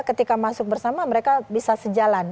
ketika masuk bersama mereka bisa sejalan